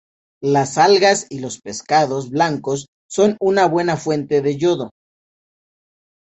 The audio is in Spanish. Las algas y los pescados blancos son una buena fuente de yodo.